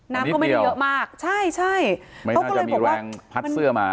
น้ำก็ไม่เหลือมากใช่ไม่น่าจะมีแรงพัดเสื้อมา